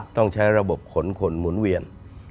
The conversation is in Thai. ต้องใช้ระบบขนคนหมุนเวียน